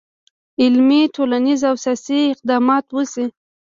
علمي، ټولنیز، او سیاسي اقدامات وشي.